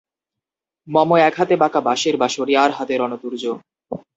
মম এক হাতে বাঁকা বাঁশের বাঁশরী আর রণ-তূর্য।